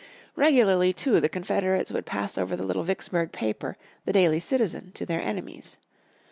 Regularly, too, the Confederates would pass over the little Vicksburg paper, the Daily Citizen, to their enemies.